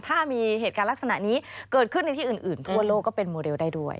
ถ้ามีเหตุการณ์ลักษณะนี้เกิดขึ้นในที่อื่นทั่วโลกก็เป็นโมเดลได้ด้วย